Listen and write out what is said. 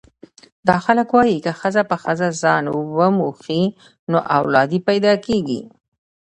دا خلک وايي که ښځه په ښځه ځان وموښي نو اولاد یې پیدا کېږي.